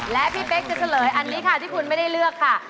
และพี่เป๊กจะเฉลยอันนี้ค่ะที่คุณไม่ได้เลือกค่ะ